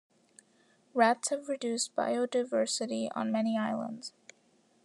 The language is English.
Rats have reduced biodiversity on many islands.